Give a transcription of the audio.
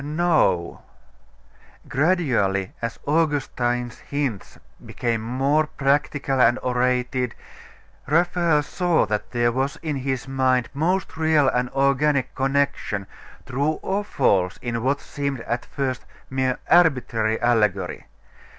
No.... Gradually, as Augustine's hints became more practical and orated, Raphael saw that there was in his mind most real and organic connection, true or false, in what seemed at first mere arbitrary allegory.